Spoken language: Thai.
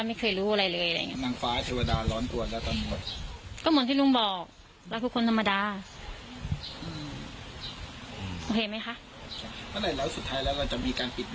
เมื่อไหร่แล้วสุดท้ายแล้วจะมีการปิดบัญชีเขาก็สอนไหม